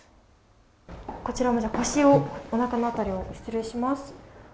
こちらも腰を、おなかの辺りを失礼します。